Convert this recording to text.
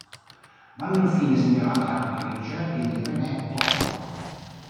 Vanno infine segnalate anche le ricerche di René Thom.